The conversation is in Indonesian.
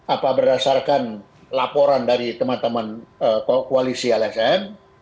apa berdasarkan laporan dari teman teman koalisi lsm